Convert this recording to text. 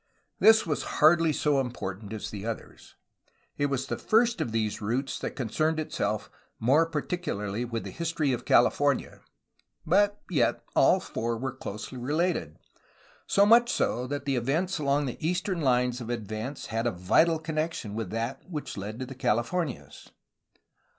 This was hardly so important as the others. It was the first of these routes that concerned itself more particularly with the his tory of California, but, yet, all four were closely related, — OVERLAND ADVANCE TO THE CALIFORNIA BORDER 145 SO much so that events along the eastern lines of advance had a vital connection with that which led to the Calif ornias.